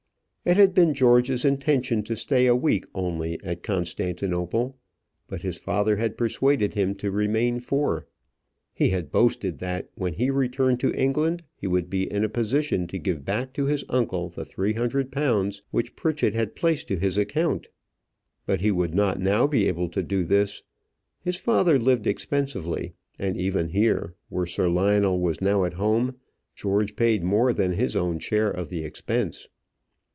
It had been George's intention to stay a week only at Constantinople, but his father had persuaded him to remain four. He had boasted that when he returned to England he would be in a position to give back to his uncle the three hundred pounds which Pritchett had placed to his account. But he would not now be able to do this: his father lived expensively; and even here, where Sir Lionel was now at home, George paid more than his own share of the expense.